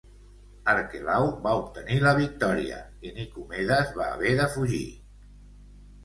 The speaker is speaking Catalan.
Arquelau va obtenir la victòria i Nicomedes va haver de fugir.